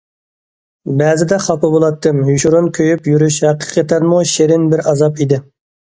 بەزىدە خاپا بولاتتىم، يوشۇرۇن كۆيۈپ يۈرۈش ھەقىقەتەنمۇ شېرىن بىر ئازاب ئىدى.